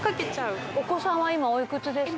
お子さんは今おいくつですか？